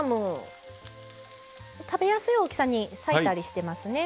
食べやすい大きさに裂いたりしてますね。